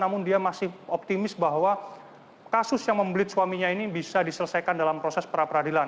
namun dia masih optimis bahwa kasus yang membelit suaminya ini bisa diselesaikan dalam proses peradilan